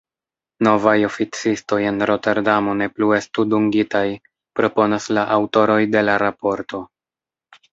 Novaj oficistoj en Roterdamo ne plu estu dungitaj, proponas la aŭtoroj de la raporto.